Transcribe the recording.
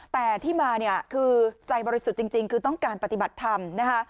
แต่ที่มาเนี่ยคือใจบริสุทธิ์จริงคือต้องการปฏิบัติธรรมนะคะ